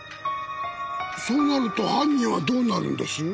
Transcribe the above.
そうなると犯人はどうなるんです？